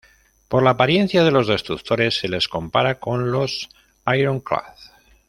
Por la apariencia de los destructores se les compara con los Ironclad.